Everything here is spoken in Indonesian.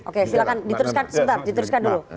oke silahkan dituliskan sebentar dituliskan dulu